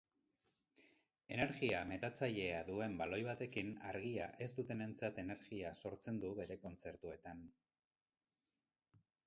Energia metatzailea duen baloi batekin argia ez dutenentzat energia sortzen du bere kontzertuetan.